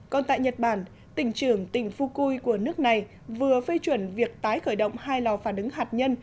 còn tại nhật bản tỉnh trưởng tỉnh fukui của nước này vừa phê chuẩn việc tái khởi động hai lò phản ứng hạt nhân